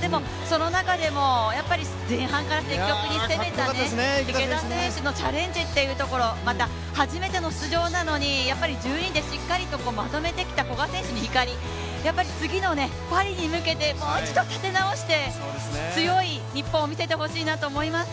でも、その中でも、前半から積極的に攻めた池田選手のチャレンジっていうところまた、初めての出場なのに１２位でしっかりまとめてきた古賀選手、次のパリに向けて立て直して強い日本を見せてほしいなと思います。